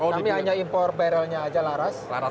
kami hanya import barrelnya saja laras